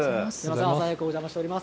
朝早くお邪魔しております。